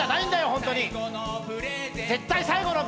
ホントに。